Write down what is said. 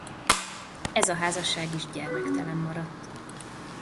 Ez a házasság is gyermektelen maradt.